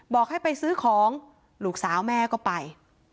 บอกให้ไปซื้อของลูกสาวแม่ก็ไป